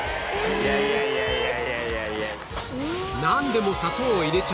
いやいやいやいや。